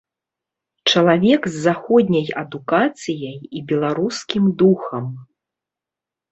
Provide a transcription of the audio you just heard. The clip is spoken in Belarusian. Чалавек з заходняй адукацыяй і беларускім духам.